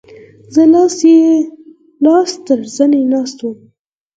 زه لاس تر زنې ناست وم.